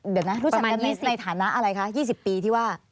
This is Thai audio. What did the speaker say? เดี๋ยวนะรู้จักกันนิดในฐานะอะไรคะ๒๐ปีที่ว่า